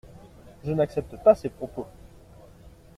Je n’accepte pas ces propos.